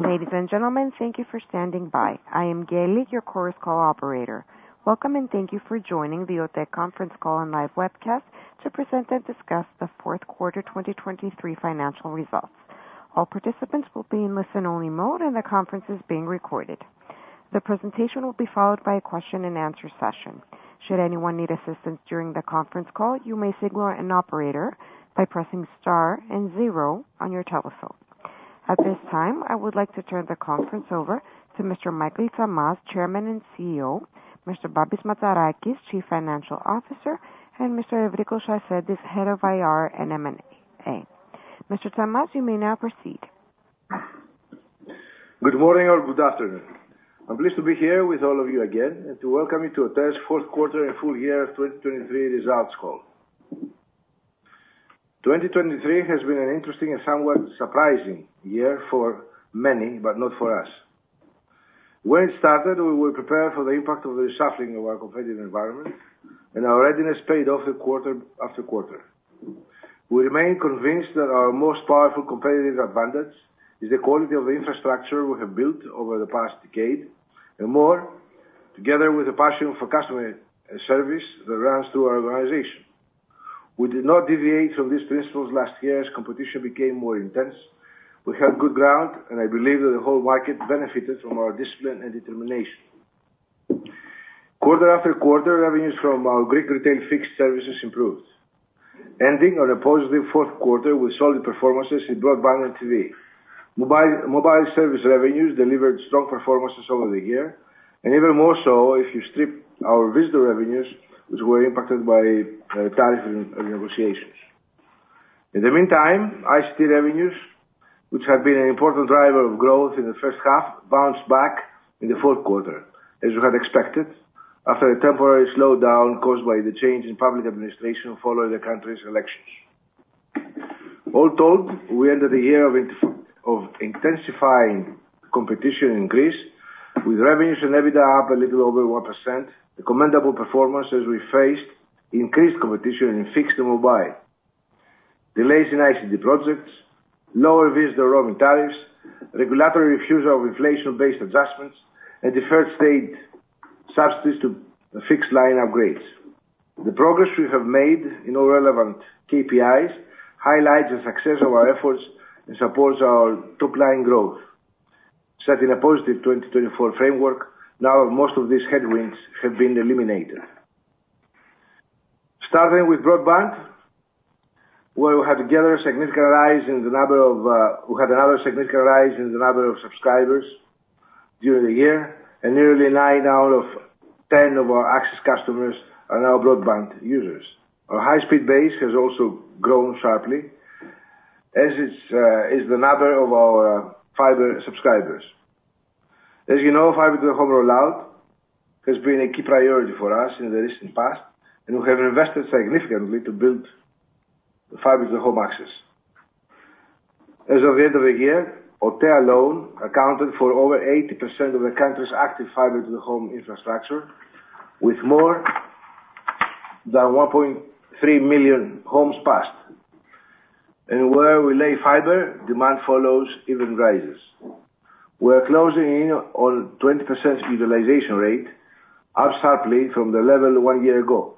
Ladies and gentlemen, thank you for standing by. I am Gail Lee, your Chorus Call operator. Welcome, and thank you for joining the OTE conference call and live webcast to present and discuss the fourth quarter 2023 financial results. All participants will be in listen-only mode, and the conference is being recorded. The presentation will be followed by a question-and-answer session. Should anyone need assistance during the conference call, you may signal an operator by pressing star and zero on your telephone. At this time, I would like to turn the conference over to Mr. Michael Tsamaz, Chairman and CEO, Mr. Babis Mazarakis, Chief Financial Officer, and Mr. Evrikos Sarsentis, Head of IR and M&A. Mr. Tsamaz, you may now proceed. Good morning or good afternoon. I'm pleased to be here with all of you again and to welcome you to OTE's fourth quarter and full year 2023 results call. 2023 has been an interesting and somewhat surprising year for many, but not for us. When it started, we were prepared for the impact of the reshuffling of our competitive environment, and our readiness paid off in quarter after quarter. We remain convinced that our most powerful competitive advantage is the quality of the infrastructure we have built over the past decade, and more, together with the passion for customer service that runs through our organization. We did not deviate from these principles last year as competition became more intense. We had good ground, and I believe that the whole market benefited from our discipline and determination. Quarter after quarter, revenues from our Greek retail fixed services improved. Ending on a positive fourth quarter with solid performances in broadband and TV, mobile service revenues delivered strong performances over the year, and even more so if you strip our visitor revenues, which were impacted by tariff renegotiations. In the meantime, ICT revenues, which have been an important driver of growth in the first half, bounced back in the fourth quarter, as we had expected, after a temporary slowdown caused by the change in public administration following the country's elections. All told, we entered a year of intensifying competition in Greece, with revenues and EBITDA up a little over 1%, recommendable performance as we faced increased competition in fixed and mobile, delays in ICT projects, lower visitor roaming tariffs, regulatory refusal of inflation-based adjustments, and deferred state subsidies to fixed-line upgrades. The progress we have made in all relevant KPIs highlights the success of our efforts and supports our top-line growth. Set in a positive 2024 framework, now most of these headwinds have been eliminated. Starting with broadband, where we had another significant rise in the number of subscribers during the year, and nearly nine out of 10 of our access customers are now broadband users. Our high-speed base has also grown sharply, as is the number of our fiber subscribers. As you know, fiber-to-the-home rollout has been a key priority for us in the recent past, and we have invested significantly to build fiber-to-the-home access. As of the end of the year, OTE alone accounted for over 80% of the country's active fiber-to-the-home infrastructure, with more than 1.3 million homes passed. Where we lay fiber, demand follows. It even rises. We are closing in on a 20% utilization rate, up sharply from the level one year ago,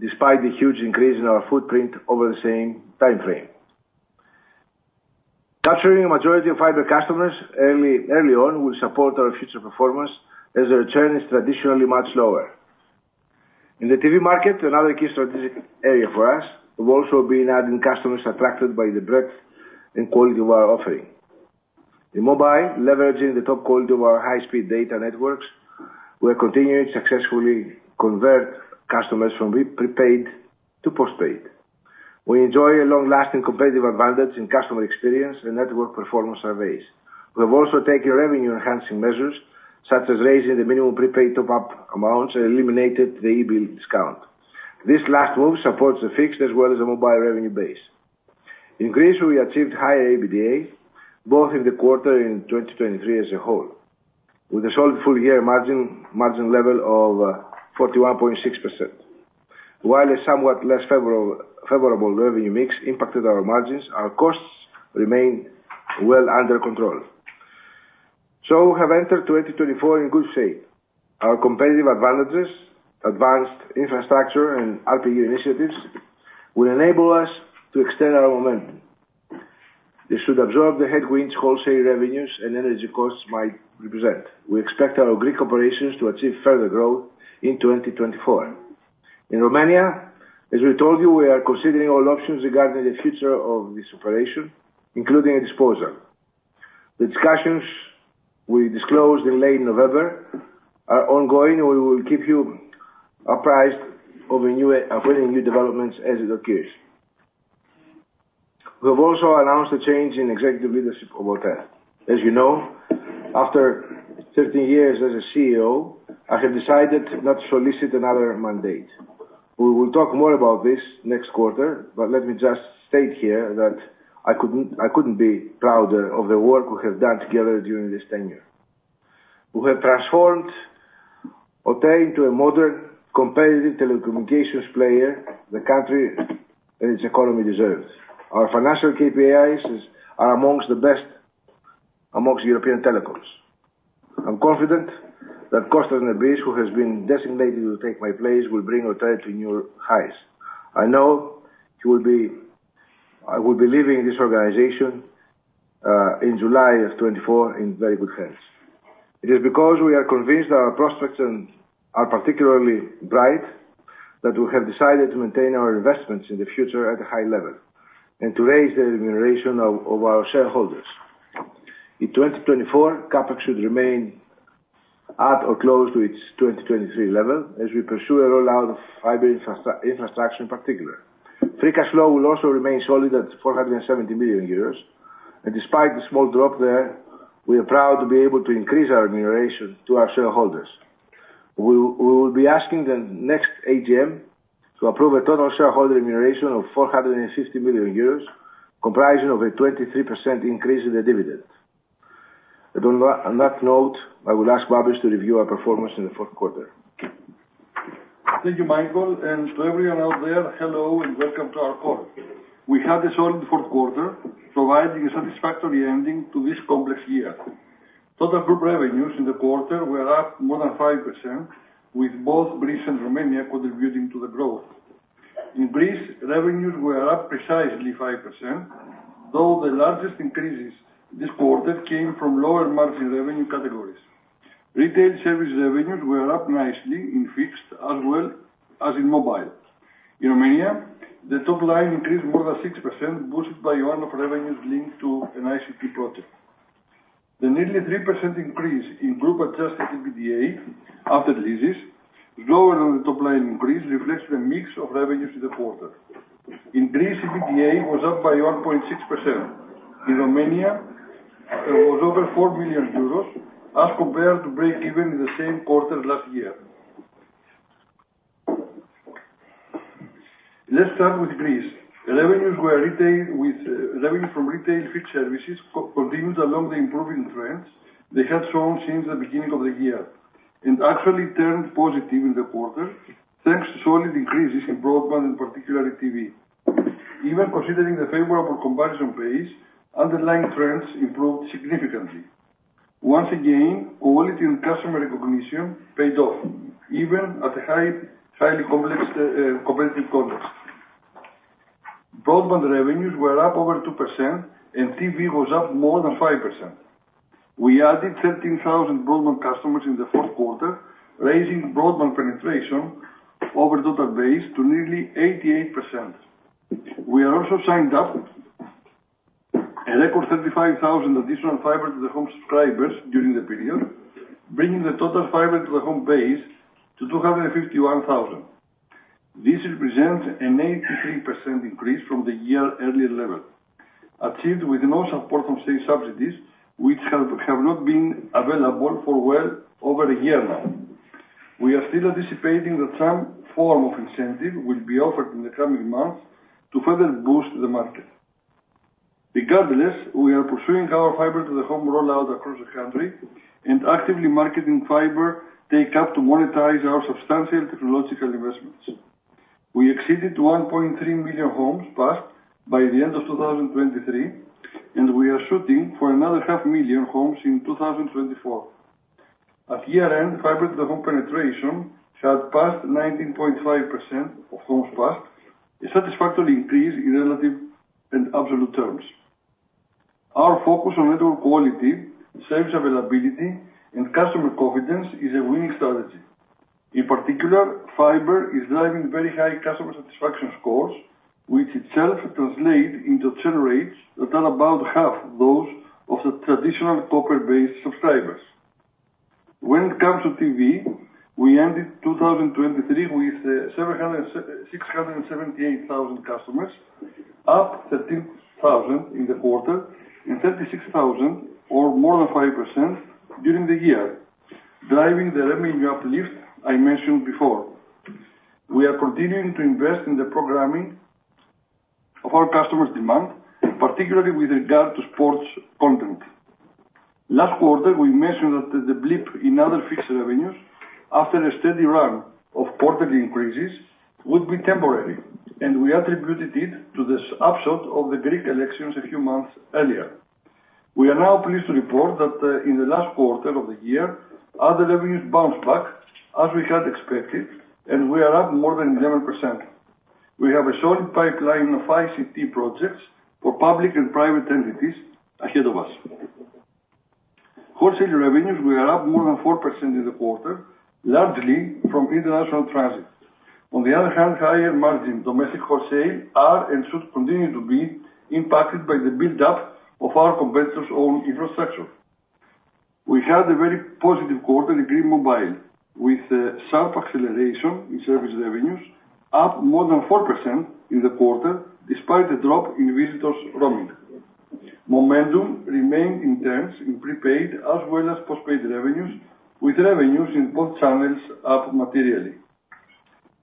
despite the huge increase in our footprint over the same time frame. Capturing a majority of fiber customers early on will support our future performance, as the return is traditionally much lower. In the TV market, another key strategic area for us, we've also been adding customers attracted by the breadth and quality of our offering. In mobile, leveraging the top quality of our high-speed data networks, we are continuing to successfully convert customers from prepaid to postpaid. We enjoy a long-lasting competitive advantage in customer experience and network performance surveys. We have also taken revenue-enhancing measures, such as raising the minimum prepaid top-up amounts and eliminating the eBill discount. This last move supports the fixed as well as the mobile revenue base. In Greece, we achieved higher EBITDA, both in the quarter and in 2023 as a whole, with a solid full-year margin level of 41.6%. While a somewhat less favorable revenue mix impacted our margins, our costs remain well under control. So, we have entered 2024 in good shape. Our competitive advantages, advanced infrastructure, and RPA initiatives will enable us to extend our momentum. This should absorb the headwinds wholesale revenues and energy costs might represent. We expect our Greek operations to achieve further growth in 2024. In Romania, as we told you, we are considering all options regarding the future of this operation, including a disposal. The discussions we disclosed in late November are ongoing, and we will keep you apprised of any new developments as it occurs. We have also announced a change in executive leadership of OTE. As you know, after 13 years as a CEO, I have decided not to solicit another mandate. We will talk more about this next quarter, but let me just state here that I couldn't be prouder of the work we have done together during this tenure. We have transformed OTE into a modern competitive telecommunications player the country and its economy deserve. Our financial KPIs are among the best among European telecoms. I'm confident that Kostas Nebis, who has been designated to take my place, will bring OTE to new highs. I know he will be. I will be leaving this organization in July of 2024 in very good hands. It is because we are convinced that our prospects are particularly bright that we have decided to maintain our investments in the future at a high level and to raise the remuneration of our shareholders. In 2024, CapEx should remain at or close to its 2023 level, as we pursue a rollout of fiber infrastructure in particular. Free cash flow will also remain solid at 470 million euros, and despite the small drop there, we are proud to be able to increase our remuneration to our shareholders. We will be asking the next AGM to approve a total shareholder remuneration of 450 million euros, comprising a 23% increase in the dividend. On that note, I will ask Babis to review our performance in the fourth quarter. Thank you, Michael. To everyone out there, hello and welcome to our call. We had a solid fourth quarter, providing a satisfactory ending to this complex year. Total group revenues in the quarter were up more than 5%, with both Greece and Romania contributing to the growth. In Greece, revenues were up precisely 5%, though the largest increases this quarter came from lower margin revenue categories. Retail service revenues were up nicely in fixed as well as in mobile. In Romania, the top line increased more than 6%, boosted by one-off revenues linked to an ICT project. The nearly 3% increase in group-adjusted EBITDA after leases, lower than the top line increase, reflects a mix of revenues in the quarter. In Greece, EBITDA was up by 1.6%. In Romania, it was over 4 million euros, as compared to break-even in the same quarter last year. Let's start with Greece. Revenues from retail fixed services continued along the improving trends they had shown since the beginning of the year and actually turned positive in the quarter, thanks to solid increases in broadband and particularly TV. Even considering the favorable comparison pace, underlying trends improved significantly. Once again, quality and customer recognition paid off, even at a highly complex competitive context. Broadband revenues were up over 2%, and TV was up more than 5%. We added 13,000 broadband customers in the fourth quarter, raising broadband penetration over total base to nearly 88%. We have also signed up a record 35,000 additional fiber-to-the-home subscribers during the period, bringing the total fiber-to-the-home base to 251,000. This represents an 83% increase from the year earlier level, achieved with no support from state subsidies, which have not been available for well over a year now. We are still anticipating that some form of incentive will be offered in the coming months to further boost the market. Regardless, we are pursuing our fiber-to-the-home rollout across the country and actively marketing fiber take-up to monetize our substantial technological investments. We exceeded 1.3 million homes passed by the end of 2023, and we are shooting for another 500,000 homes in 2024. At year-end, fiber-to-the-home penetration had passed 19.5% of homes passed, a satisfactory increase in relative and absolute terms. Our focus on network quality, service availability, and customer confidence is a winning strategy. In particular, fiber is driving very high customer satisfaction scores, which itself translates into churn rates that are about half those of the traditional copper-based subscribers. When it comes to TV, we ended 2023 with 678,000 customers, up 13,000 in the quarter and 36,000 or more than 5% during the year, driving the revenue uplift I mentioned before. We are continuing to invest in the programming of our customers' demand, particularly with regard to sports content. Last quarter, we mentioned that the blip in other fixed revenues after a steady run of quarterly increases would be temporary, and we attributed it to the upswing of the Greek elections a few months earlier. We are now pleased to report that in the last quarter of the year, other revenues bounced back as we had expected, and we are up more than 11%. We have a solid pipeline of ICT projects for public and private entities ahead of us. Wholesale revenues, we are up more than 4% in the quarter, largely from international transit. On the other hand, higher margin domestic wholesale are and should continue to be impacted by the buildup of our competitors' own infrastructure. We had a very positive quarter in Greek mobile, with sharp acceleration in service revenues up more than 4% in the quarter despite the drop in visitors roaming. Momentum remained intense in prepaid as well as postpaid revenues, with revenues in both channels up materially.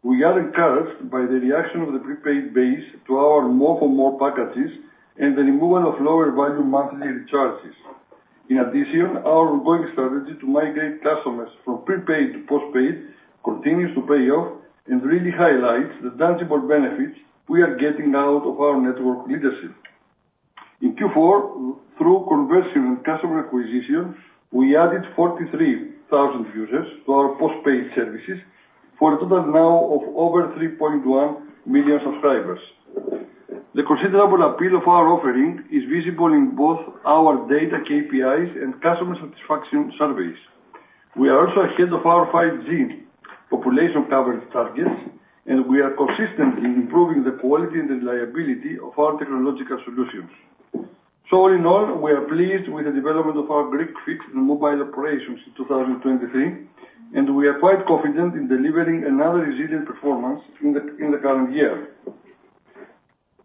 We are encouraged by the reaction of the prepaid base to our more-for-more packages and the removal of lower-value monthly recharges. In addition, our ongoing strategy to migrate customers from prepaid to postpaid continues to pay off and really highlights the tangible benefits we are getting out of our network leadership. In Q4, through conversion and customer acquisition, we added 43,000 users to our postpaid services for a total now of over 3.1 million subscribers. The considerable appeal of our offering is visible in both our data KPIs and customer satisfaction surveys. We are also ahead of our 5G population coverage targets, and we are consistently improving the quality and reliability of our technological solutions. So all in all, we are pleased with the development of our Greek fixed and mobile operations in 2023, and we are quite confident in delivering another resilient performance in the current year.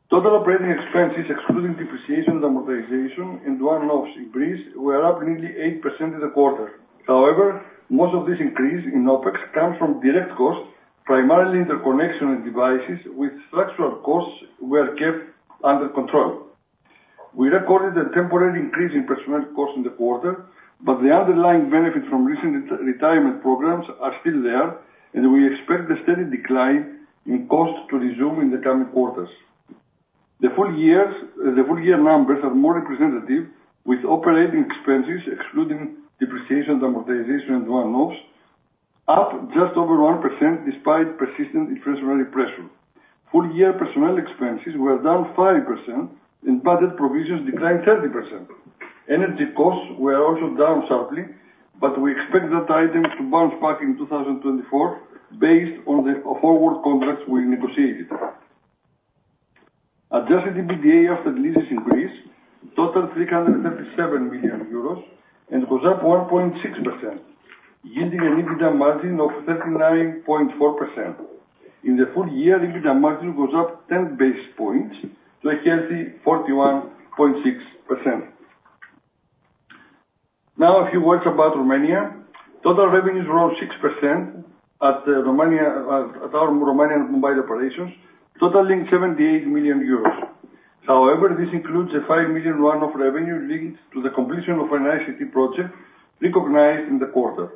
Total operating expenses, excluding depreciation and amortization, and one-offs in Greece, were up nearly 8% in the quarter. However, most of this increase in OpEx comes from direct costs, primarily interconnection and devices, with structural costs that were kept under control. We recorded a temporary increase in personnel costs in the quarter, but the underlying benefits from recent retirement programs are still there, and we expect a steady decline in costs to resume in the coming quarters. The full-year numbers are more representative, with operating expenses, excluding depreciation and amortization and one-offs, up just over 1% despite persistent inflationary pressure. Full-year personnel expenses were down 5%, and budget provisions declined 30%. Energy costs were also down sharply, but we expect that item to bounce back in 2024 based on the forward contracts we negotiated. Adjusted EBITDA after leases increased, total 337 million euros, and it was up 1.6%, yielding an EBITDA margin of 39.4%. In the full year, EBITDA margin was up 10 base points to a healthy 41.6%. Now, a few words about Romania. Total revenues rose 6% at our Romanian mobile operations, totaling 78 million euros. However, this includes a 5 million one-off revenue linked to the completion of an ICT project recognized in the quarter.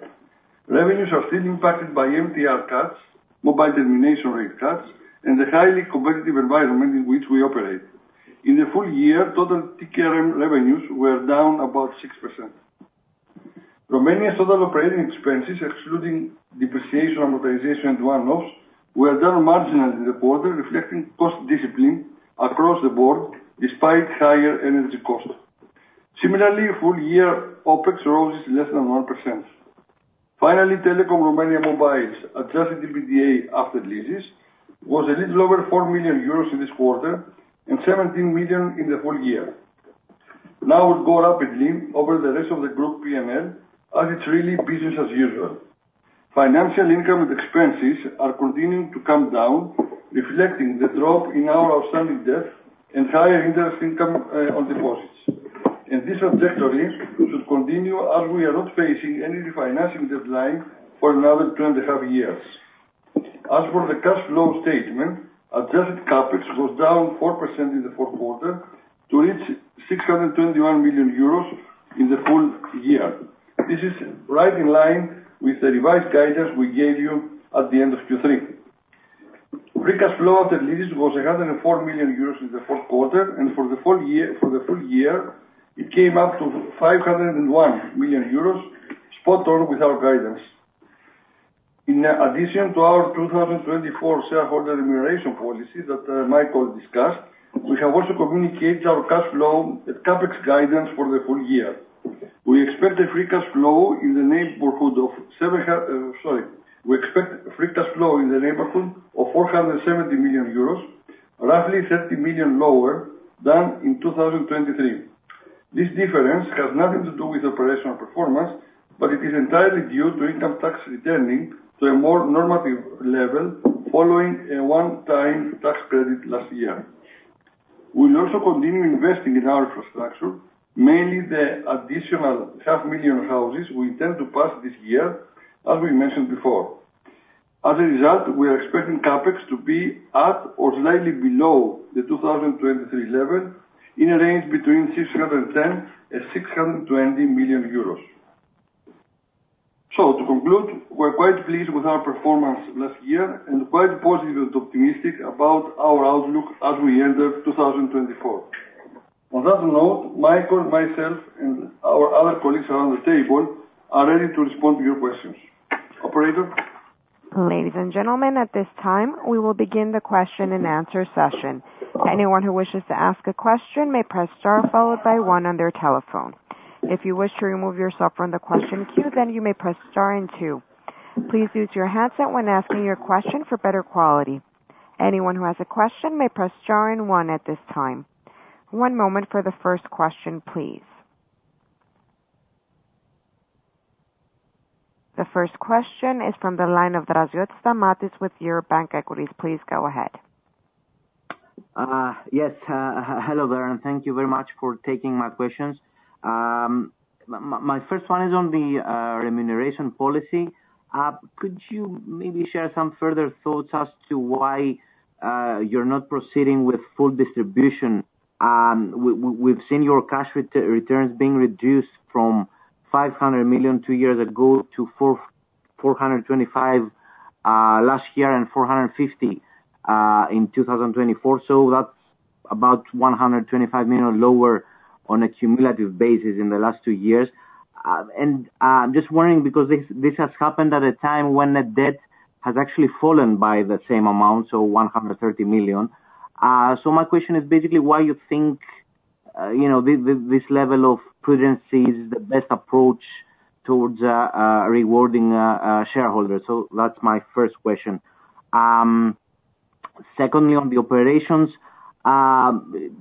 Revenues are still impacted by MTR cuts, mobile termination rate cuts, and the highly competitive environment in which we operate. In the full year, total TKRM revenues were down about 6%. Romania's total operating expenses, excluding depreciation, amortization, and one-offs, were down marginally in the quarter, reflecting cost discipline across the board despite higher energy costs. Similarly, full-year OpEx rose less than 1%. Finally, Telekom Romania Mobile, adjusted EBITDA after leases, was a little over 4 million euros in this quarter and 17 million in the full year. Now, we'll go rapidly over the rest of the group P&L as it's really business as usual. Financial income and expenses are continuing to come down, reflecting the drop in our outstanding debt and higher interest income on deposits. This trajectory should continue as we are not facing any refinancing deadline for another two and a half years. As for the cash flow statement, adjusted CapEx was down 4% in the fourth quarter to reach 621 million euros in the full year. This is right in line with the revised guidance we gave you at the end of Q3. Free cash flow after leases was 104 million euros in the fourth quarter, and for the full year, it came up to 501 million euros, spot-on with our guidance. In addition to our 2024 shareholder remuneration policy that Michael discussed, we have also communicated our cash flow and CapEx guidance for the full year. We expect a free cash flow in the neighborhood of sorry, we expect free cash flow in the neighborhood of 470 million euros, roughly 30 million lower than in 2023. This difference has nothing to do with operational performance, but it is entirely due to income tax returning to a more normative level following a one-time tax credit last year. We will also continue investing in our infrastructure, mainly the additional 500,000 houses we intend to pass this year, as we mentioned before. As a result, we are expecting CapEx to be at or slightly below the 2023 level in a range between 610 million-620 million euros. So to conclude, we're quite pleased with our performance last year and quite positive and optimistic about our outlook as we enter 2024. On that note, Michael, myself, and our other colleagues around the table are ready to respond to your questions. Operator? Ladies and gentlemen, at this time, we will begin the question-and-answer session. Anyone who wishes to ask a question may press star followed by one on their telephone. If you wish to remove yourself from the question queue, then you may press star and two. Please use your handset when asking your question for better quality. Anyone who has a question may press star and one at this time. One moment for the first question, please. The first question is from the line of Draziotis, Stamatios with Eurobank Equities. Please go ahead. Yes. Hello there, and thank you very much for taking my questions. My first one is on the remuneration policy. Could you maybe share some further thoughts as to why you're not proceeding with full distribution? We've seen your cash returns being reduced from 500 million two years ago to 425 million last year and 450 million in 2024. So that's about 125 million lower on a cumulative basis in the last two years. And I'm just wondering because this has happened at a time when the debt has actually fallen by the same amount, so 130 million. So my question is basically why you think this level of prudence is the best approach towards rewarding shareholders. So that's my first question. Secondly, on the operations,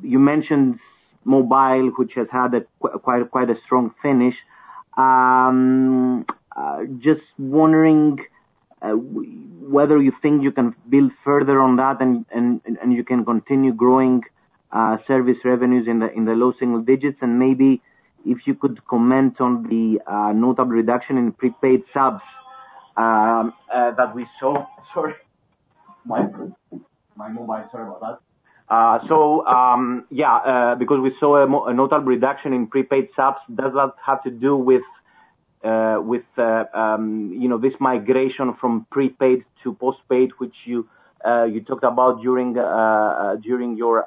you mentioned mobile, which has had quite a strong finish. Just wondering whether you think you can build further on that and you can continue growing service revenues in the low single digits. Maybe if you could comment on the notable reduction in prepaid subs that we saw. Sorry. My mobile. My mobile. Sorry about that. So yeah, because we saw a notable reduction in prepaid subs, does that have to do with this migration from prepaid to postpaid, which you talked about during your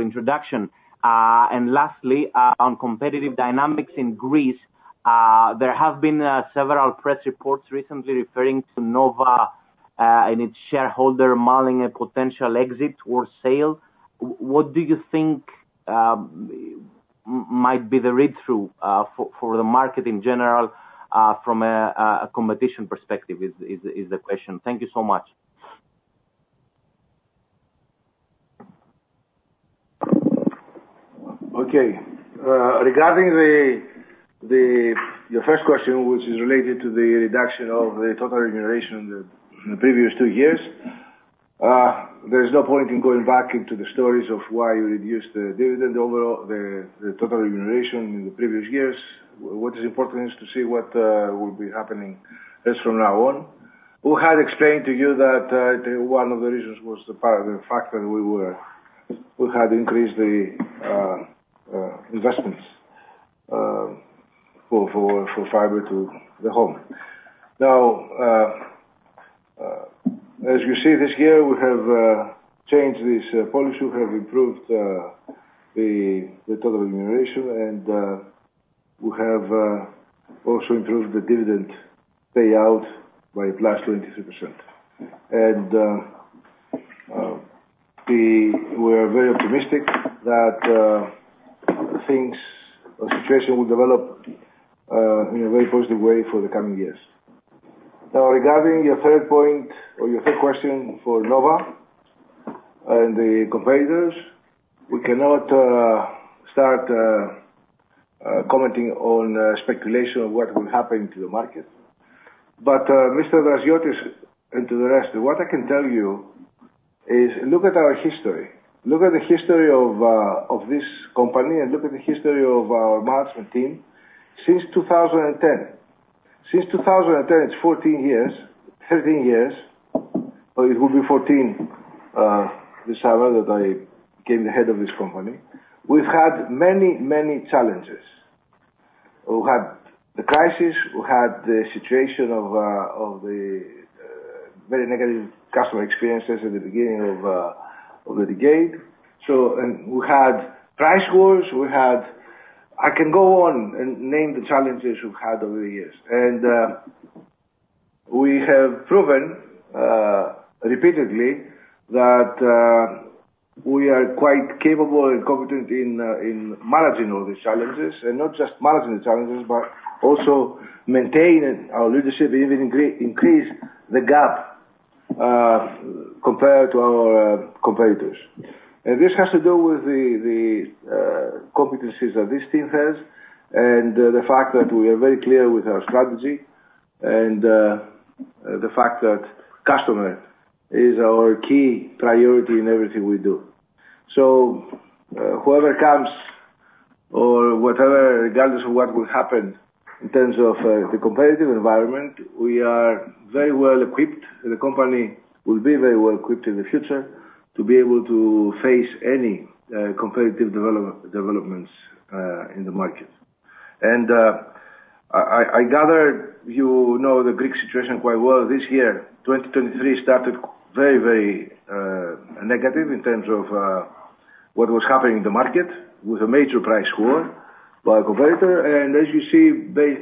introduction? And lastly, on competitive dynamics in Greece, there have been several press reports recently referring to Nova and its shareholder mulling a potential exit or sale. What do you think might be the read-through for the market in general from a competition perspective? That is the question. Thank you so much. Okay. Regarding your first question, which is related to the reduction of the total remuneration in the previous two years, there is no point in going back into the stories of why you reduced the total remuneration in the previous years. What is important is to see what will be happening from now on. We had explained to you that one of the reasons was the fact that we had increased the investments for fiber to the home. Now, as you see, this year, we have changed this policy. We have improved the total remuneration, and we have also improved the dividend payout by +23%. And we are very optimistic that things or situations will develop in a very positive way for the coming years. Now, regarding your third point or your third question for Nova and the competitors, we cannot start commenting on speculation of what will happen to the market. But Mr. Draziotis and to the rest, what I can tell you is look at our history. Look at the history of this company and look at the history of our management team since 2010. Since 2010, it's 14 years, 13 years, or it will be 14 this summer that I became the head of this company. We've had many, many challenges. We had the crisis. We had the situation of the very negative customer experiences at the beginning of the decade. And we had price wars. I can go on and name the challenges we've had over the years. We have proven repeatedly that we are quite capable and competent in managing all these challenges, and not just managing the challenges, but also maintaining our leadership, even increase the gap compared to our competitors. This has to do with the competencies that this team has and the fact that we are very clear with our strategy and the fact that customer is our key priority in everything we do. So whoever comes or whatever, regardless of what will happen in terms of the competitive environment, we are very well equipped, and the company will be very well equipped in the future to be able to face any competitive developments in the market. I gather you know the Greek situation quite well. This year, 2023, started very, very negative in terms of what was happening in the market with a major price war by a competitor. As you see based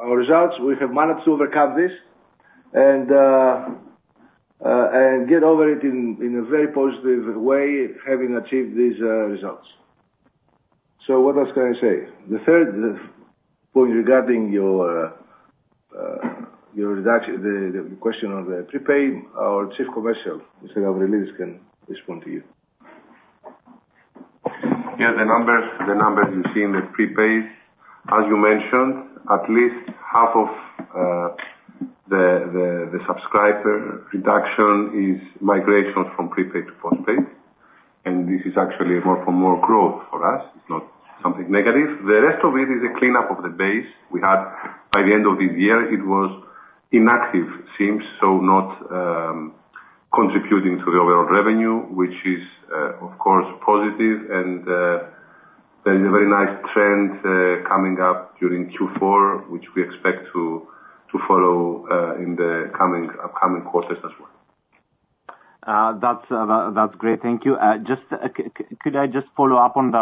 on our results, we have managed to overcome this and get over it in a very positive way, having achieved these results. So what else can I say? The third point regarding your question on the prepaid, our Chief Commercial, Mr. Gabrielides, can respond to you. Yeah. The numbers you see in the prepaids, as you mentioned, at least half of the subscriber reduction is migration from prepaid to postpaid. And this is actually more for more growth for us. It's not something negative. The rest of it is a cleanup of the base. By the end of this year, it was inactive, seems, so not contributing to the overall revenue, which is, of course, positive. And there is a very nice trend coming up during Q4, which we expect to follow in the upcoming quarters as well. That's great. Thank you. Could I just follow up on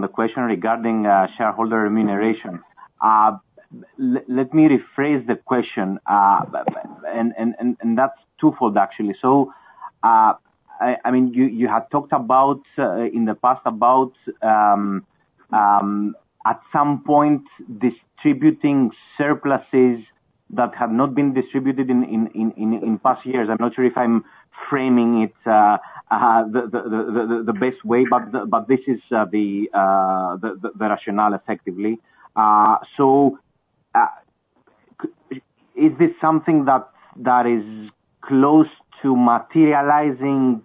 the question regarding shareholder remuneration? Let me rephrase the question. That's twofold, actually. I mean, you had talked in the past about, at some point, distributing surpluses that had not been distributed in past years. I'm not sure if I'm framing it the best way, but this is the rationale, effectively. So is this something that is close to materializing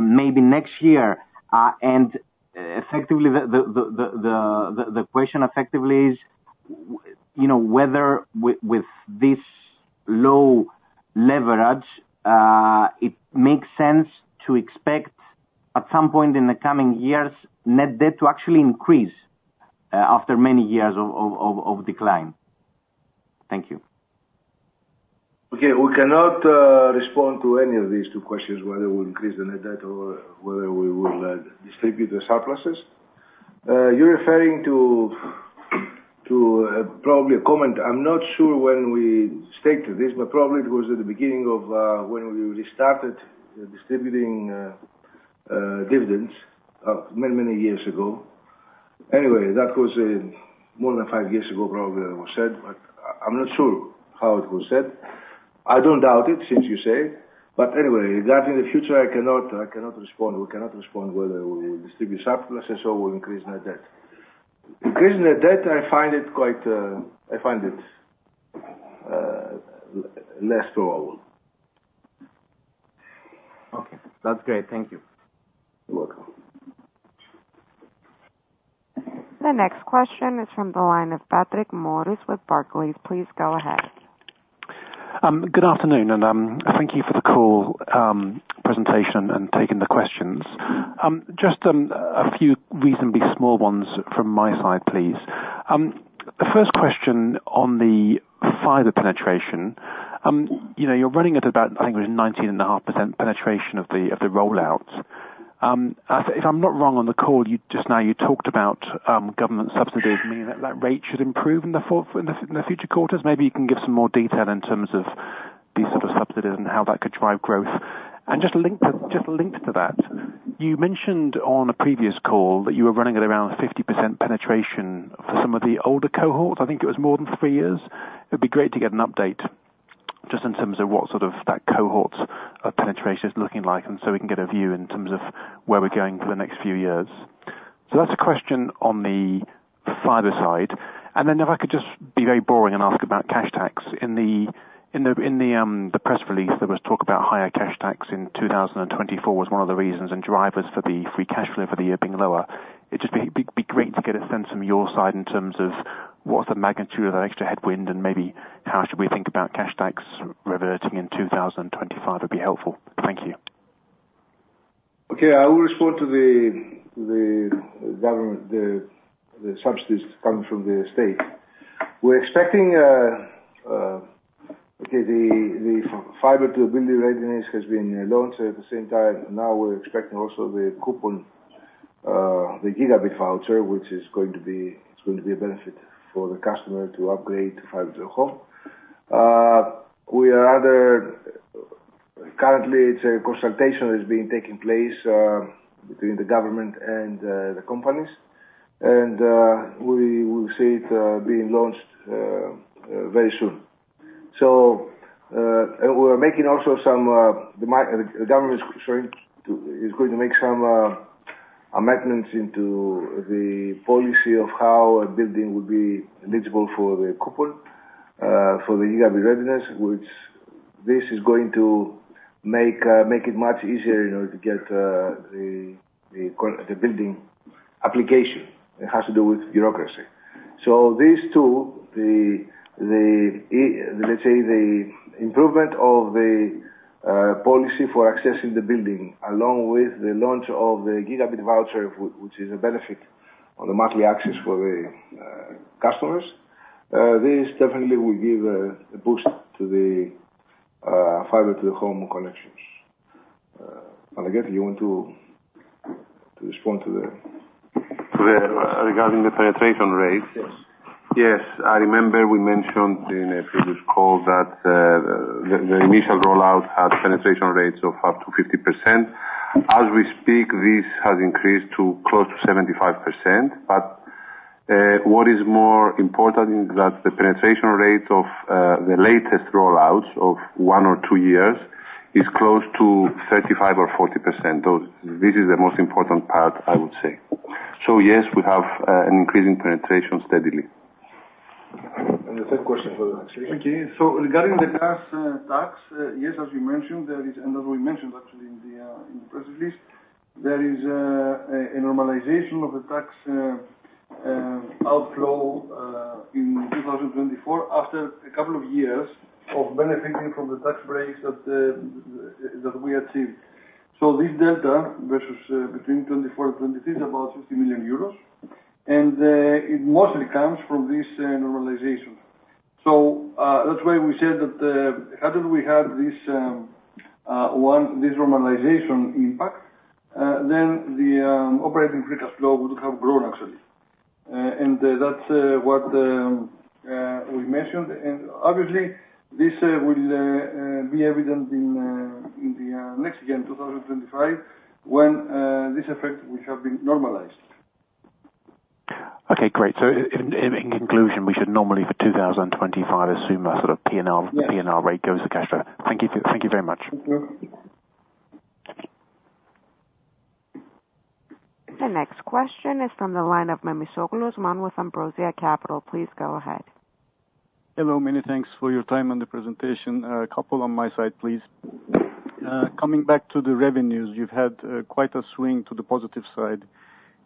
maybe next year? Effectively, the question, effectively, is whether with this low leverage, it makes sense to expect, at some point in the coming years, net debt to actually increase after many years of decline? Thank you. Okay. We cannot respond to any of these two questions, whether we'll increase the net debt or whether we will distribute the surpluses. You're referring to probably a comment. I'm not sure when we stated this, but probably it was at the beginning of when we restarted distributing dividends many, many years ago. Anyway, that was more than five years ago, probably, that was said. But I'm not sure how it was said. I don't doubt it since you say it. But anyway, regarding the future, I cannot respond. We cannot respond whether we will distribute surpluses or we'll increase net debt. Increase net debt, I find it less probable. Okay. That's great. Thank you. You're welcome. The next question is from the line of Maurice Patrick with Barclays. Please go ahead. Good afternoon, and thank you for the call, presentation, and taking the questions. Just a few reasonably small ones from my side, please. The first question on the fiber penetration, you're running at about, I think it was 19.5% penetration of the rollout. If I'm not wrong on the call, just now you talked about government subsidies, meaning that that rate should improve in the future quarters. Maybe you can give some more detail in terms of these sort of subsidies and how that could drive growth. And just linked to that, you mentioned on a previous call that you were running at around 50% penetration for some of the older cohorts. I think it was more than three years. It'd be great to get an update just in terms of what sort of that cohort's penetration is looking like and so we can get a view in terms of where we're going for the next few years. So that's a question on the fiber side. And then if I could just be very boring and ask about cash tax. In the press release, there was talk about higher cash tax in 2024 was one of the reasons and drivers for the free cash flow for the year being lower. It'd just be great to get a sense from your side in terms of what's the magnitude of that extra headwind and maybe how should we think about cash tax reverting in 2025 would be helpful. Thank you. Okay. I will respond to the subsidies coming from the state. We're expecting, okay. The fiber to a building readiness has been launched at the same time. Now we're expecting also the coupon, the gigabit voucher, which is going to be a benefit for the customer to upgrade to fiber to the home. Currently, it's a consultation that's being taken place between the government and the companies. And we will see it being launched very soon. And the government is going to make some amendments into the policy of how a building will be eligible for the coupon, for the gigabit readiness, which this is going to make it much easier in order to get the building application. It has to do with bureaucracy. So these two, let's say, the improvement of the policy for accessing the building along with the launch of the gigabit voucher, which is a benefit on the monthly access for the customers, this definitely will give a boost to the fiber to the home connections. Panayiotis Gabrielides, you want to respond to the? Regarding the penetration rate? Yes. Yes. I remember we mentioned in a previous call that the initial rollout had penetration rates of up to 50%. As we speak, this has increased to close to 75%. But what is more important is that the penetration rate of the latest rollouts of one or two years is close to 35% or 40%. This is the most important part, I would say. So yes, we have an increasing penetration steadily. The third question for the next week. Okay. So regarding the gas tax, yes, as you mentioned, there is and as we mentioned, actually, in the press release, there is a normalization of the tax outflow in 2024 after a couple of years of benefiting from the tax breaks that we achieved. So this delta between 2024 and 2023 is about 50 million euros. And it mostly comes from this normalization. So that's why we said that hadn't we had this normalization impact, then the operating free cash flow would have grown, actually. And that's what we mentioned. And obviously, this will be evident in the next year, in 2025, when this effect will have been normalized. Okay. Great. So in conclusion, we should normally for 2025 assume that sort of P&L rate goes to cash flow. Thank you very much. Thank you. The next question is from the line of Memisoglu, Osman with Ambrosia Capital. Please go ahead. Hello. Many thanks for your time and the presentation. A couple on my side, please. Coming back to the revenues, you've had quite a swing to the positive side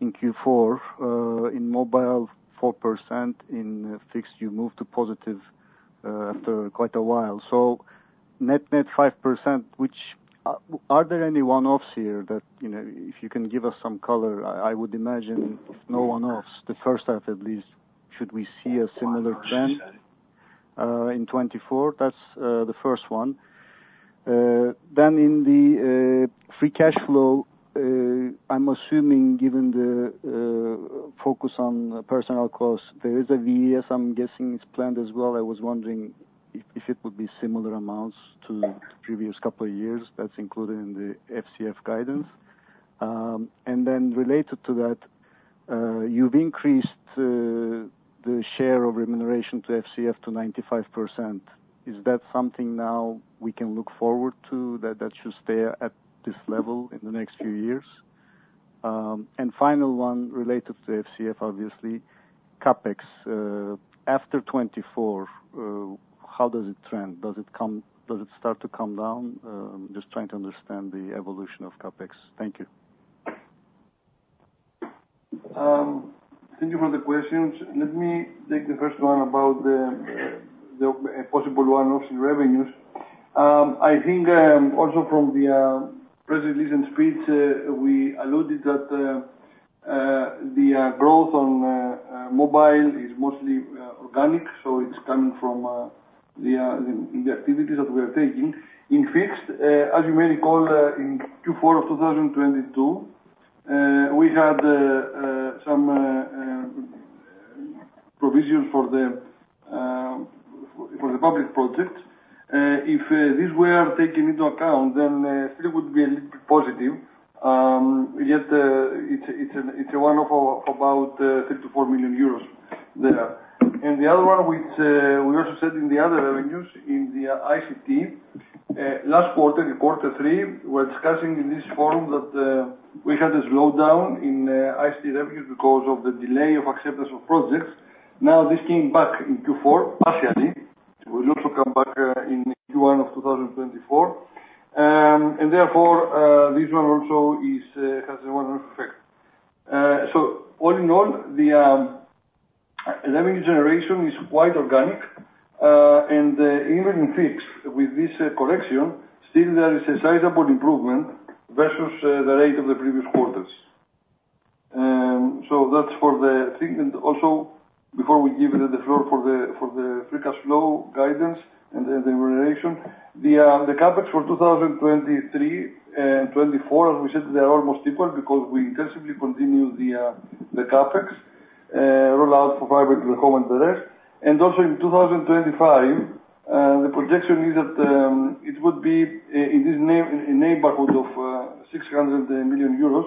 in Q4. In mobile, 4%. In fixed, you moved to positive after quite a while. So net 5%, are there any one-offs here that if you can give us some color? I would imagine if no one-offs, the first half at least, should we see a similar trend in 2024? That's the first one. Then in the free cash flow, I'm assuming given the focus on personal costs, there is a VES. I'm guessing it's planned as well. I was wondering if it would be similar amounts to the previous couple of years that's included in the FCF guidance. And then related to that, you've increased the share of remuneration to FCF to 95%. Is that something now we can look forward to, that that should stay at this level in the next few years? And final one related to FCF, obviously, CapEx. After 2024, how does it trend? Does it start to come down? Just trying to understand the evolution of CapEx. Thank you. Thank you for the questions. Let me take the first one about the possible one-offs in revenues. I think also from the press release and speech, we alluded that the growth on mobile is mostly organic, so it's coming from the activities that we are taking. In fixed, as you may recall, in Q4 of 2022, we had some provisions for the public projects. If these were taken into account, then still it would be a little bit positive. Yet it's a one-off of about 3 million-4 million euros there. And the other one, which we also said in the other revenues, in the ICT, last quarter, quarter three, we were discussing in this forum that we had a slowdown in ICT revenues because of the delay of acceptance of projects. Now this came back in Q4 partially. It will also come back in Q1 of 2024. And therefore, this one also has a one-off effect. So all in all, the revenue generation is quite organic. And even in fixed, with this correction, still there is a sizable improvement versus the rate of the previous quarters. So that's for the thing. And also before we give the floor for the free cash flow guidance and the remuneration, the CapEx for 2023 and 2024, as we said, they are almost equal because we intensively continue the CapEx rollout for fiber to the home and the rest. And also in 2025, the projection is that it would be in this neighborhood of 600 million euros.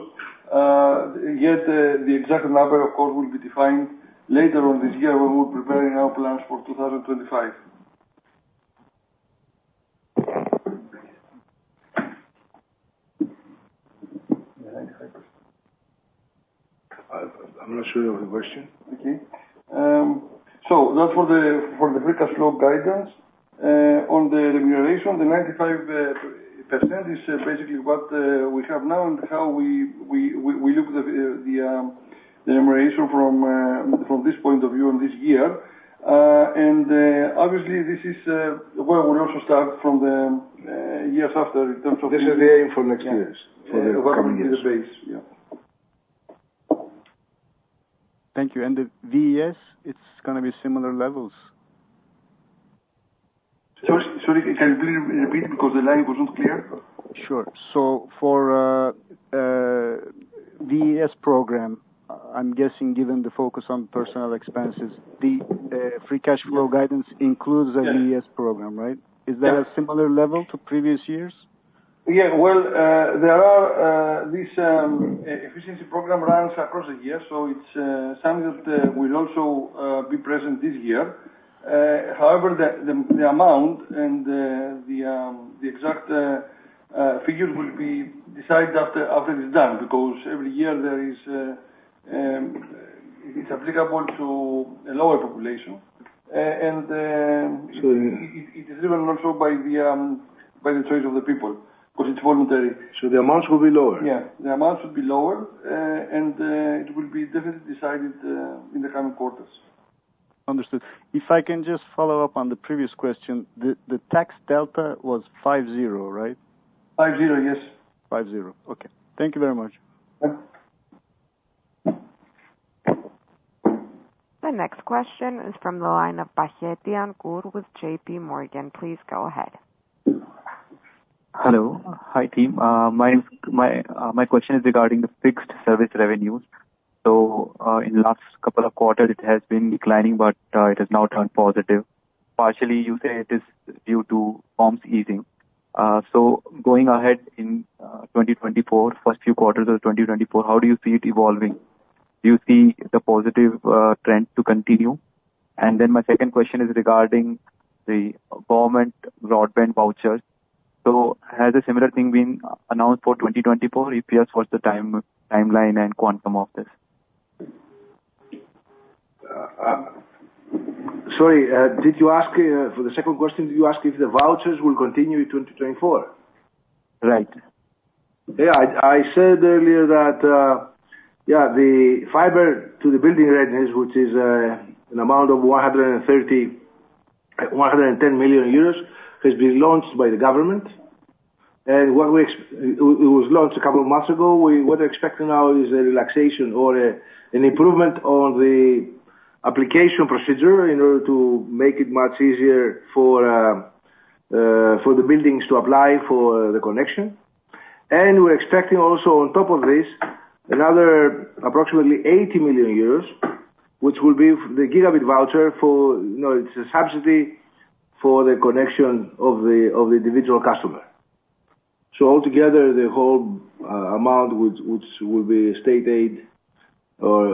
Yet the exact number, of course, will be defined later on this year when we're preparing our plans for 2025. 95%. I'm not sure of the question. Okay. That's for the free cash flow guidance. On the remuneration, the 95% is basically what we have now and how we look at the remuneration from this point of view in this year. Obviously, this is where we'll also start from the years after in terms of. This is the aim for next year for the coming years. Yeah. The base. Yeah. Thank you. And the VES, it's going to be similar levels? Sorry. Can you please repeat because the line was not clear? Sure. So for VES program, I'm guessing given the focus on personal expenses, the free cash flow guidance includes a VES program, right? Is that a similar level to previous years? Yeah. Well, this efficiency program runs across the year, so it's something that will also be present this year. However, the amount and the exact figures will be decided after it's done because every year, it's applicable to a lower population. And it is driven also by the choice of the people because it's voluntary. The amounts will be lower? Yeah. The amounts would be lower, and it will be definitely decided in the coming quarters. Understood. If I can just follow up on the previous question, the tax delta was 50, right? 50. Yes. Okay. Thank you very much. The next question is from the line of Baheti, Ankur with JPMorgan. Please go ahead. Hello. Hi, team. My question is regarding the fixed service revenues. In the last couple of quarters, it has been declining, but it has now turned positive. Partially, you say it is due to comps easing. Going ahead in 2024, first few quarters of 2024, how do you see it evolving? Do you see the positive trend to continue? And then my second question is regarding the government broadband vouchers. Has a similar thing been announced for 2024? If yes, what's the timeline and quantum of this? Sorry. For the second question, did you ask if the vouchers will continue in 2024? Right. Yeah. I said earlier that, yeah, the fiber to the building readiness, which is an amount of 110 million euros, has been launched by the government. And it was launched a couple of months ago. What we're expecting now is a relaxation or an improvement on the application procedure in order to make it much easier for the buildings to apply for the connection. And we're expecting also, on top of this, another approximately 80 million euros, which will be the gigabit voucher for, it's a subsidy for the connection of the individual customer. So altogether, the whole amount, which will be state aid or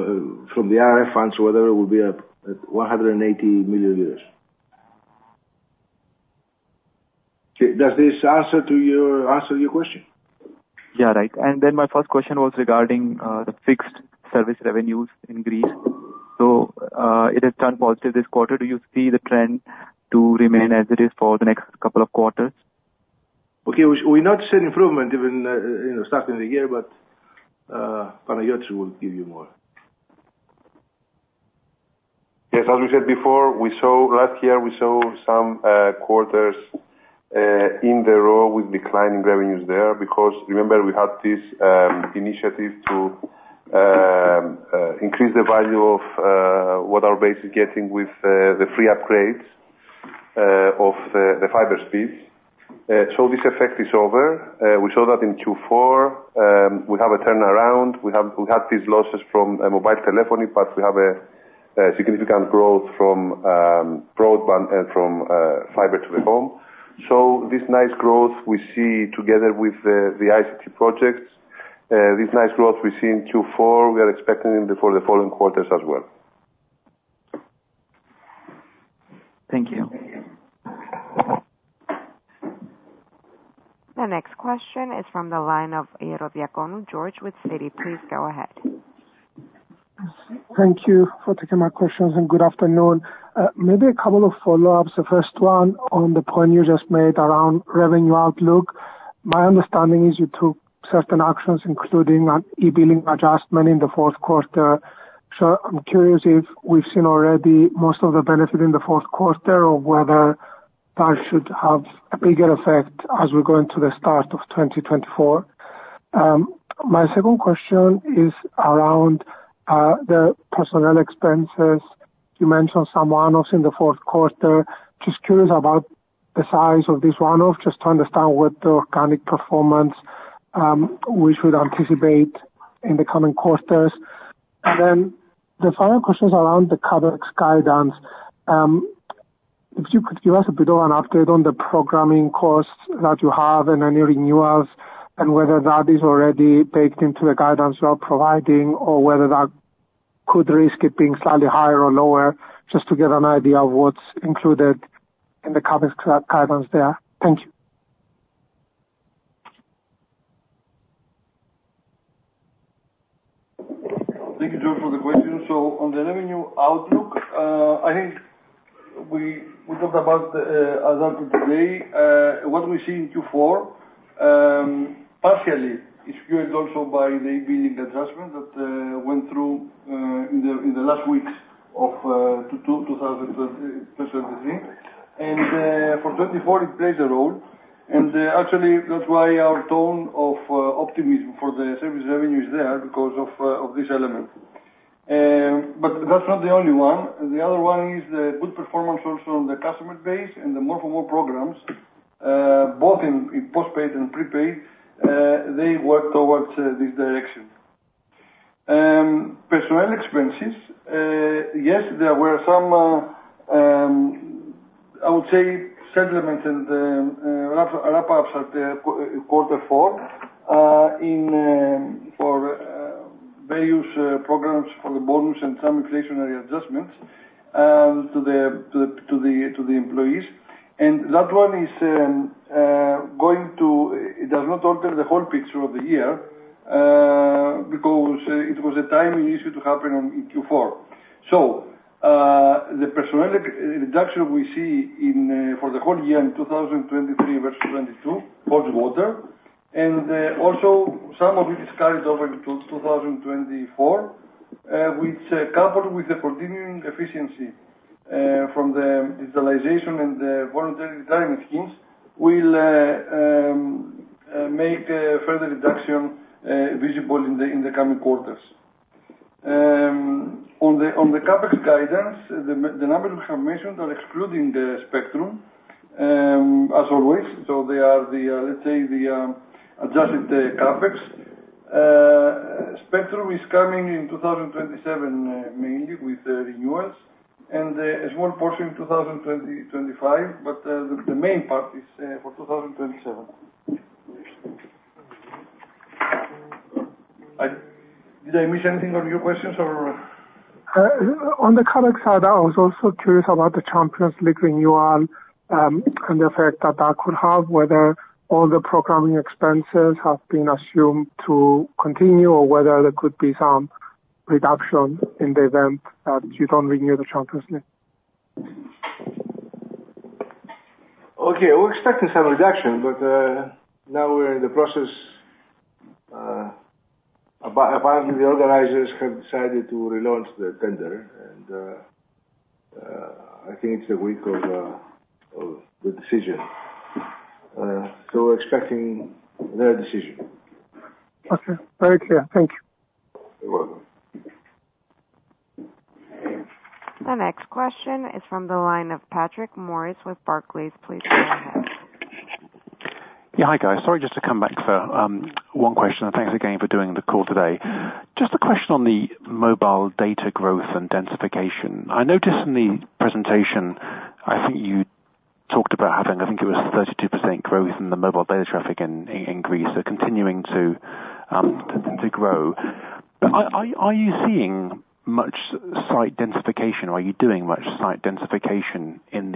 from the RRF funds or whatever, will be at 180 million euros. Does this answer your question? Yeah. Right. Then my first question was regarding the fixed service revenues in Greece. So it has turned positive this quarter. Do you see the trend to remain as it is for the next couple of quarters? Okay. We're not seeing improvement even starting the year, but Panayiotis Gabrielides will give you more. Yes. As we said before, last year, we saw some quarters in a row with declining revenues there because, remember, we had this initiative to increase the value of what our base is getting with the free upgrades of the fiber speeds. So this effect is over. We saw that in Q4. We have a turnaround. We had these losses from mobile telephony, but we have a significant growth from broadband and from fiber to the home. So this nice growth we see, together with the ICT projects, this nice growth we see in Q4, we are expecting for the following quarters as well. Thank you. The next question is from the line of Ierodiaconou, Georgios with Citi. Please go ahead. Thank you for taking my questions, and good afternoon. Maybe a couple of follow-ups. The first one on the point you just made around revenue outlook. My understanding is you took certain actions, including an e-billing adjustment in the fourth quarter. So I'm curious if we've seen already most of the benefit in the fourth quarter or whether that should have a bigger effect as we go into the start of 2024. My second question is around the personnel expenses. You mentioned some one-offs in the fourth quarter. Just curious about the size of this one-off just to understand what the organic performance we should anticipate in the coming quarters. Then the final question is around the CapEx guidance. If you could give us a bit of an update on the programming costs that you have and any renewals and whether that is already baked into the guidance you are providing or whether that could risk it being slightly higher or lower just to get an idea of what's included in the CapEx guidance there? Thank you. Thank you, Georgios, for the question. So on the revenue outlook, I think we talked about that today. What we see in Q4 partially is fueled also by the e-billing adjustment that went through in the last weeks of 2023. For 2024, it plays a role. Actually, that's why our tone of optimism for the service revenue is there because of this element. But that's not the only one. The other one is the good performance also on the customer base and the more and more programs, both in postpaid and prepaid, they work towards this direction. Personnel expenses, yes, there were some, I would say, settlements and wrap-ups at quarter four for various programs for the bonus and some inflationary adjustments to the employees. And that one is going to it. It does not alter the whole picture of the year because it was a timing issue to happen in Q4. So the personnel reduction we see for the whole year in 2023 versus 2022. Fourth quarter. And also some of it is carried over into 2024, which coupled with the continuing efficiency from the digitalization and the voluntary retirement schemes will make further reduction visible in the coming quarters. On the CapEx guidance, the numbers we have mentioned are excluding spectrum, as always. So they are, let's say, the adjusted CapEx. Spectrum is coming in 2027 mainly with renewals and a small portion in 2025, but the main part is for 2027. Did I miss anything on your questions, or? On the CapEx side, I was also curious about the Champions League renewal and the effect that that could have, whether all the programming expenses have been assumed to continue or whether there could be some reduction in the event that you don't renew the Champions League? Okay. We're expecting some reduction, but now we're in the process. Apparently, the organizers have decided to relaunch the tender, and I think it's the week of the decision. So we're expecting their decision. Okay. Very clear. Thank you. You're welcome. The next question is from the line of Patrick, Maurice with Barclays. Please go ahead. Yeah. Hi, guys. Sorry just to come back for one question, and thanks again for doing the call today. Just a question on the mobile data growth and densification. I noticed in the presentation, I think you talked about having I think it was 32% growth in the mobile data traffic in Greece, so continuing to grow. But are you seeing much site densification, or are you doing much site densification in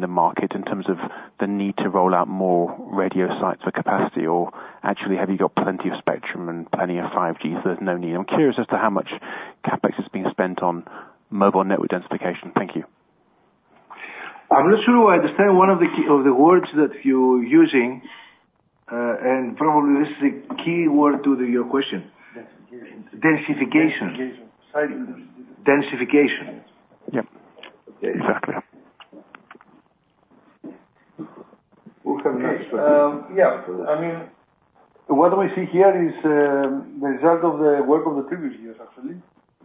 the market in terms of the need to roll out more radio sites for capacity? Or actually, have you got plenty of spectrum and plenty of 5G so there's no need? I'm curious as to how much CapEx is being spent on mobile network densification. Thank you. I'm not sure if I understand one of the words that you're using, and probably this is a key word to your question. Densification. Densification. Densification. Yep. Exactly. We'll have next. Yeah. I mean. What we see here is the result of the work of the previous years, actually,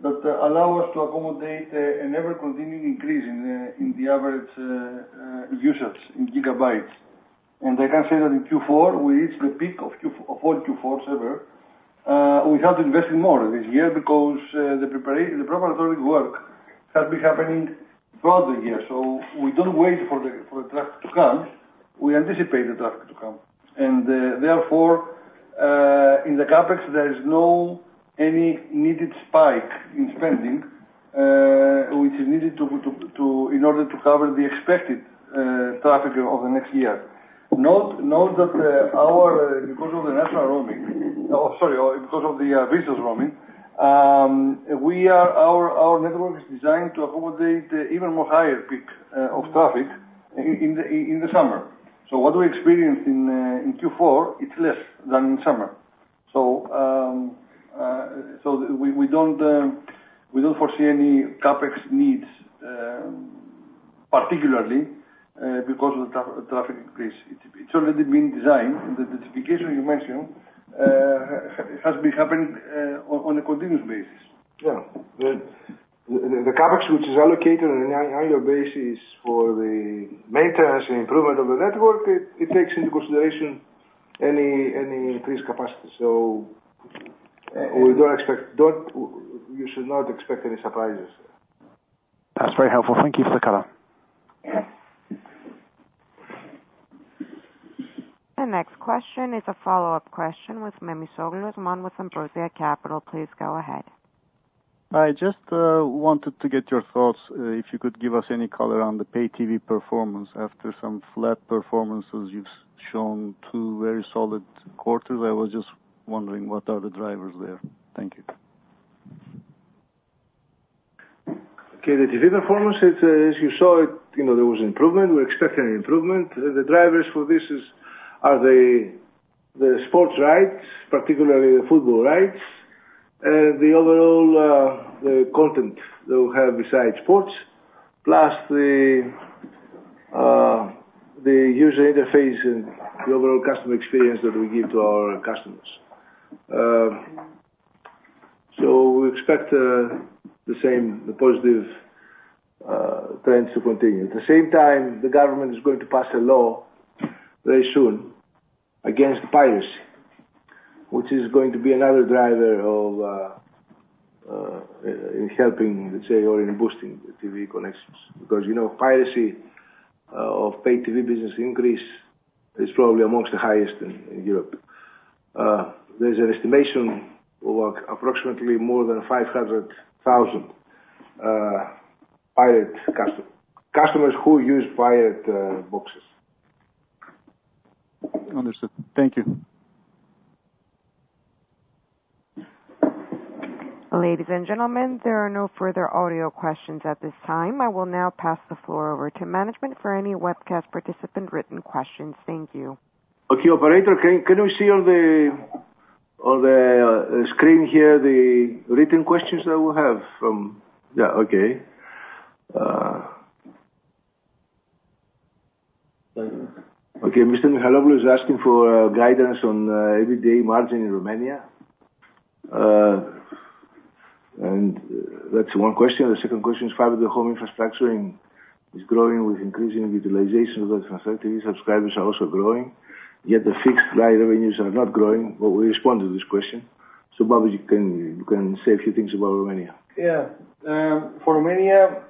that allow us to accommodate an ever-continuing increase in the average usage in gigabytes. And I can say that in Q4, we reached the peak of all Q4s ever. We have to invest more this year because the preparatory work has been happening throughout the year. So we don't wait for the traffic to come. We anticipate the traffic to come. And therefore, in the CapEx, there is no any needed spike in spending, which is needed in order to cover the expected traffic of the next year. Note that because of the national roaming, oh, sorry. Because of the visitors roaming, our network is designed to accommodate even more higher peak of traffic in the summer. So what we experienced in Q4, it's less than in summer. So we don't foresee any CapEx needs particularly because of the traffic increase. It's already been designed. The densification you mentioned has been happening on a continuous basis. Yeah. The CAPEX, which is allocated on an annual basis for the maintenance and improvement of the network, it takes into consideration any increased capacity. So you should not expect any surprises. That's very helpful. Thank you for the cut-out. The next question is a follow-up question with Memisoglu, Osman, Ambrosia Capital. Please go ahead. I just wanted to get your thoughts. If you could give us any color on the pay-TV performance after some flat performances, you've shown two very solid quarters, I was just wondering what are the drivers there. Thank you. Okay. The TV performance, as you saw it, there was improvement. We expected an improvement. The drivers for this are the sports rights, particularly the football rights, and the overall content that we have besides sports, plus the user interface and the overall customer experience that we give to our customers. So we expect the positive trends to continue. At the same time, the government is going to pass a law very soon against piracy, which is going to be another driver in helping, let's say, or in boosting TV connections because piracy of pay-TV business increase is probably amongst the highest in Europe. There's an estimation of approximately more than 500,000 pirate customers who use pirate boxes. Understood. Thank you. Ladies and gentlemen, there are no further audio questions at this time. I will now pass the floor over to management for any webcast participant written questions. Thank you. Okay. Operator, can we see on the screen here the written questions that we have from yeah. Okay. Okay. Mr. Michailoglou is asking for guidance on EBITDA margin in Romania. And that's one question. The second question is fiber-to-home infrastructure is growing with increasing utilization of the TV subscribers are also growing. Yet the fixed line revenues are not growing. What we respond to this question. So Babis, you can say a few things about Romania. Yeah. For Romania,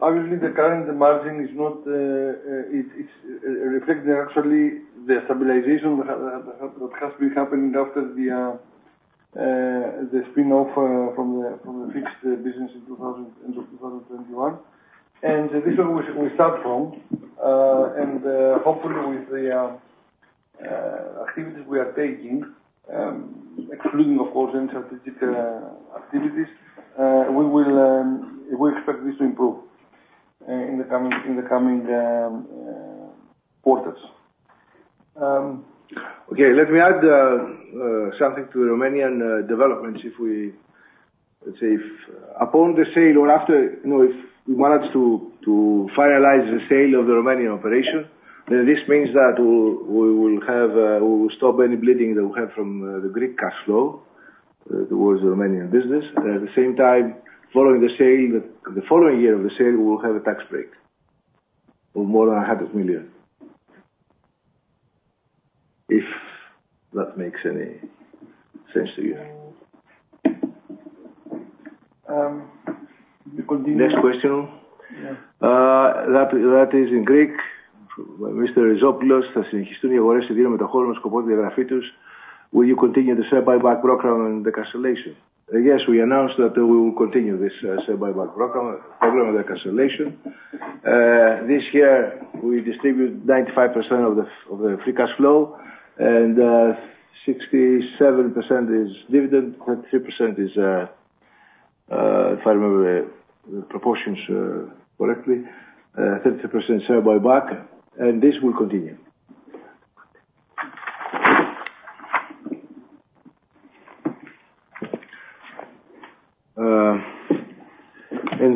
obviously, the current margin is not. It reflects actually the stabilization that has been happening after the spin-off from the fixed business in the end of 2021. This is where we start from. Hopefully, with the activities we are taking, excluding, of course, any strategic activities, we expect this to improve in the coming quarters. Okay. Let me add something to Romanian developments if we, let's say, upon the sale or after, if we manage to finalize the sale of the Romanian operation, then this means that we will stop any bleeding that we have from the Greek cash flow towards the Romanian business. At the same time, following the sale, the following year of the sale, we will have a tax break of more than 100 million if that makes any sense to you. We continue. Next question. That is in Greek. Mr. Rizopoulos asks, "We want to see a deal with the whole with the possibility of the FTTHs. Will you continue the share buyback program and the cancellation?" Yes. We announced that we will continue this share buyback program and the cancellation. This year, we distribute 95% of the free cash flow, and 67% is dividend, 33% is, if I remember the proportions correctly, 33% share buyback. This will continue.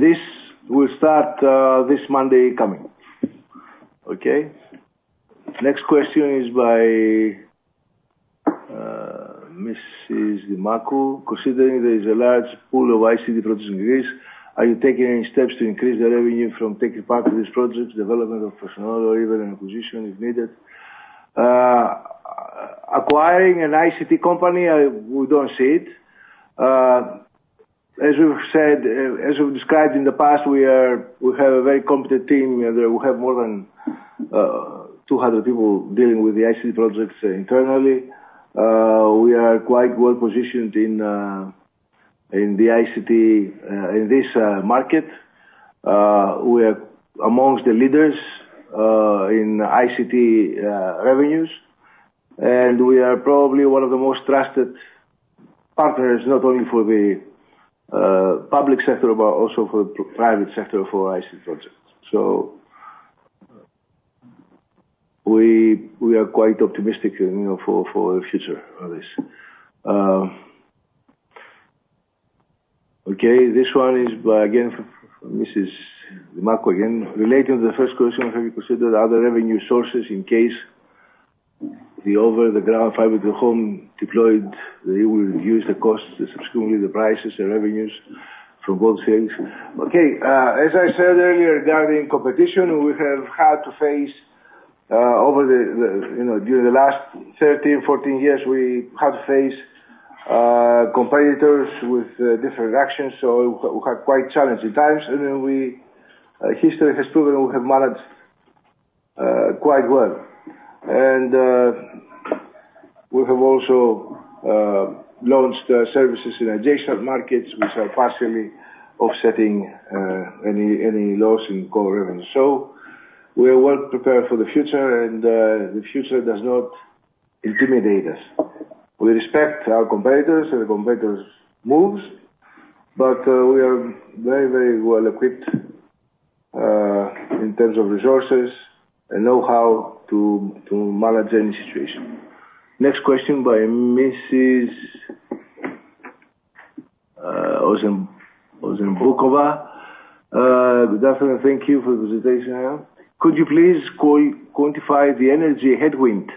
This will start this Monday coming. Okay? Next question is by Mrs. [Dimakou]. "Considering there is a large pool of ICT projects in Greece, are you taking any steps to increase the revenue from taking part in these projects, development of personnel, or even an acquisition if needed?" Acquiring an ICT company, we don't see it. As we've said as we've described in the past, we have a very competent team, and we have more than 200 people dealing with the ICT projects internally. We are quite well-positioned in the ICT in this market. We are amongst the leaders in ICT revenues, and we are probably one of the most trusted partners not only for the public sector but also for the private sector for ICT projects. So we are quite optimistic for the future of this. Okay. This one is again from Mrs. [Dimakou] again. "Relating to the first question, have you considered other revenue sources in case the over-the-ground fiber-to-home deployed, it will reduce the costs, subsequently the prices, the revenues from both sales?" Okay. As I said earlier regarding competition, we have had to face over the during the last 13, 14 years, we had to face competitors with different actions. So we had quite challenging times. And then history has proven we have managed quite well. And we have also launched services in adjacent markets, which are partially offsetting any loss in core revenue. So we are well-prepared for the future, and the future does not intimidate us. We respect our competitors and the competitors' moves, but we are very, very well-equipped in terms of resources and know-how to manage any situation. Next question by Mrs. [Ouzenbrokova]. "Daphne, thank you for the presentation. Could you please quantify the energy headwind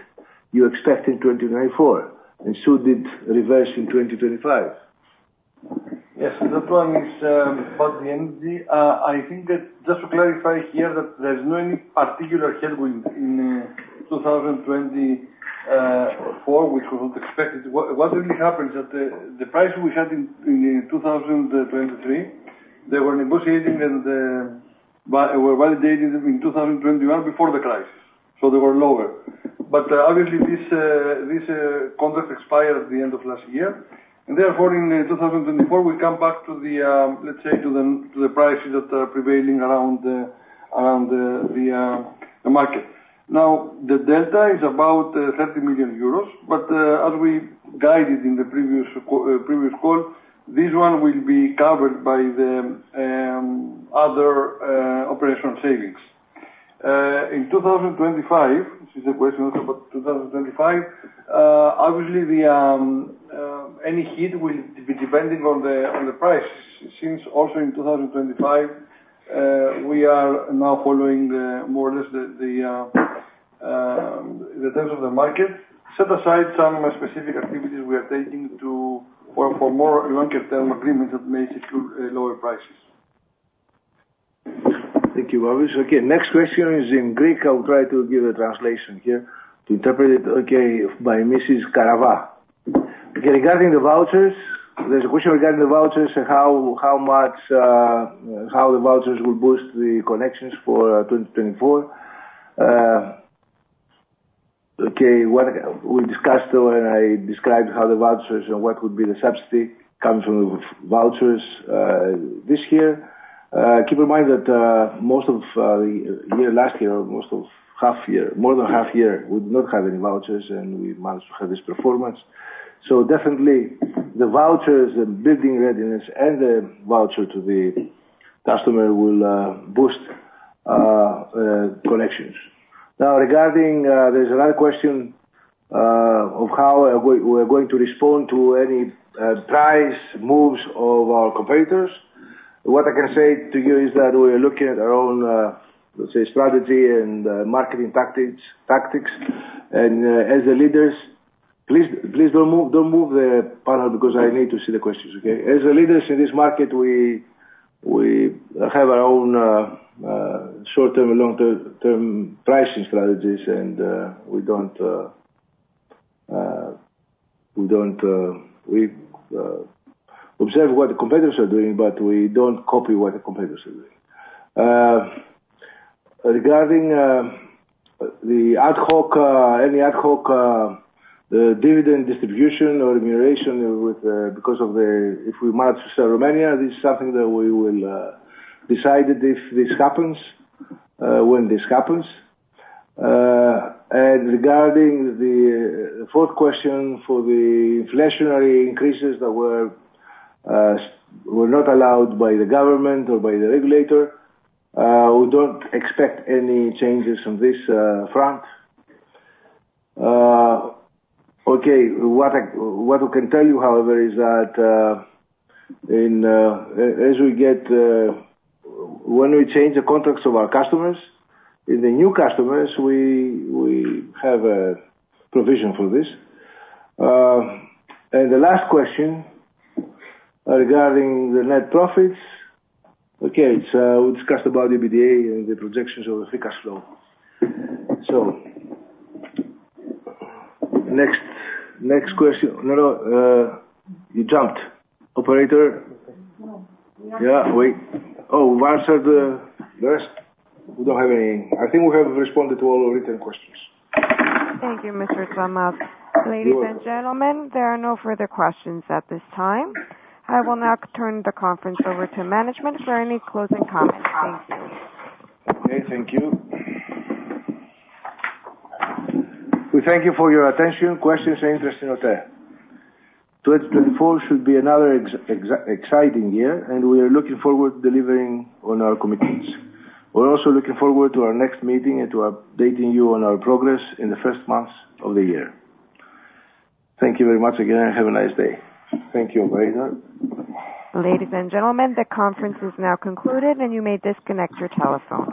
you expect in 2024 and soon did reverse in 2025? Yes. That one is about the energy. I think just to clarify here that there's no any particular headwind in 2024, which we would expect it. What really happened is that the price we had in 2023, they were negotiating and were validating them in 2021 before the crisis. So they were lower. But obviously, this contract expired at the end of last year. And therefore, in 2024, we come back to the, let's say, to the prices that are prevailing around the market. Now, the delta is about 30 million euros, but as we guided in the previous call, this one will be covered by the other operational savings. In 2025, this is a question also about 2025. Obviously, any hit will be depending on the price since also in 2025, we are now following more or less the terms of the market, set aside some specific activities we are taking for more longer-term agreements that may secure lower prices. Thank you, Babis. Okay. Next question is in Greek. I'll try to give a translation here to interpret it, okay, by Mrs. Karava. Okay. Regarding the vouchers, there's a question regarding the vouchers and how much how the vouchers will boost the connections for 2024. Okay. We discussed when I described how the vouchers and what would be the subsidy coming from the vouchers this year. Keep in mind that most of the year last year, most of half year more than half year would not have any vouchers, and we managed to have this performance. So definitely, the vouchers and building readiness and the voucher to the customer will boost connections. Now, regarding there's another question of how we are going to respond to any price moves of our competitors. What I can say to you is that we are looking at our own, let's say, strategy and marketing tactics. And as the leaders please don't move the panel because I need to see the questions, okay? As the leaders in this market, we have our own short-term and long-term pricing strategies, and we don't, we observe what the competitors are doing, but we don't copy what the competitors are doing. Regarding any ad hoc dividend distribution or remuneration because of, if we manage to sell Romania, this is something that we will decide if this happens when this happens. And regarding the fourth question for the inflationary increases that were not allowed by the government or by the regulator, we don't expect any changes on this front. Okay. What I can tell you, however, is that as we get when we change the contracts of our customers, in the new customers, we have a provision for this. And the last question regarding the net profits, okay, we discussed about EBITDA and the projections of the free cash flow. So next question no, no. You jumped. Operator? No. We are. Yeah. Wait. Oh, we've answered the rest. We don't have any. I think we have responded to all the written questions. Thank you, Mr. Tsamaz. Ladies and gentlemen, there are no further questions at this time. I will now turn the conference over to management for any closing comments. Thank you. Okay. Thank you. We thank you for your attention. Questions are interesting, OTE. 2024 should be another exciting year, and we are looking forward to delivering on our commitments. We're also looking forward to our next meeting and to updating you on our progress in the first months of the year. Thank you very much again, and have a nice day. Thank you, Operator. Ladies and gentlemen, the conference is now concluded, and you may disconnect your telephone.